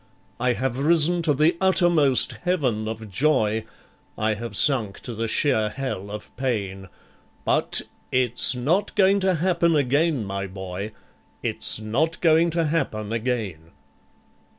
I have risen to the uttermost Heaven of Joy, I have sunk to the sheer Hell of Pain But it's not going to happen again, my boy, It's not going to happen again.